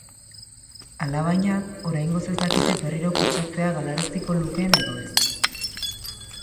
Alabaina, oraingoz ez dakite berriro kutsatzea galaraziko lukeen edo ez.